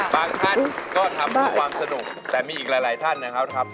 ท่านก็ทำเพื่อความสนุกแต่มีอีกหลายท่านนะครับ